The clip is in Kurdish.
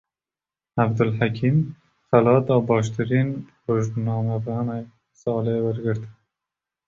Abdulhekîm, xelata baştirîn rojnamevanê salê wergirt